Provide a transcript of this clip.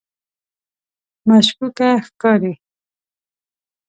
مشکوکه ښکاري.